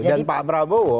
jadi pak prabowo